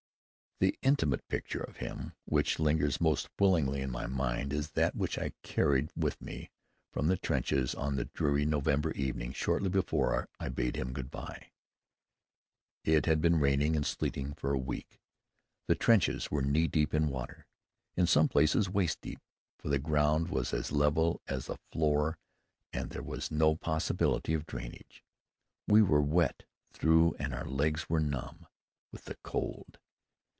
The intimate picture of him which lingers most willingly in my mind is that which I carried with me from the trenches on the dreary November evening shortly before I bade him good bye. It had been raining and sleeting for a week. The trenches were knee deep in water, in some places waist deep, for the ground was as level as a floor and there was no possibility of drainage. We were wet through and our legs were numb with the cold.